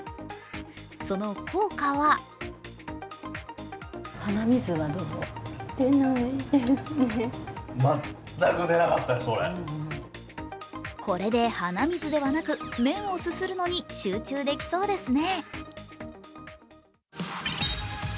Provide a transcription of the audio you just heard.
その効果はこれで鼻水ではなく麺をすするのに集中できそうですね。